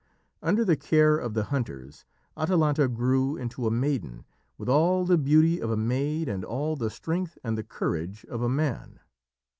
Under the care of the hunters Atalanta grew into a maiden, with all the beauty of a maid and all the strength and the courage of a man.